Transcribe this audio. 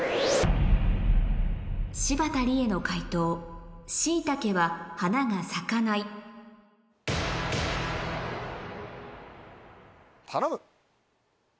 柴田理恵の解答シイタケは花が咲かない頼む！